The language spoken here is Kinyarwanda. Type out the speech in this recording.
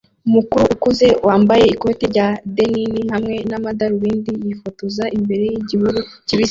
umukecuru ukuze wambaye ikoti rya denim hamwe n’amadarubindi yifotoza imbere y igihuru kibisi